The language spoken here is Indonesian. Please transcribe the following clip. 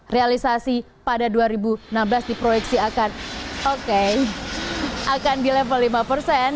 realisasi pada dua ribu enam belas di proyeksi akan di level lima persen